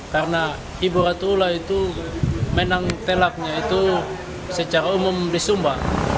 karena ibu ratu wula itu menang telaknya itu secara umum di sumba